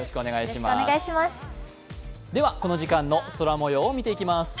この時間の空模様を見ていきます。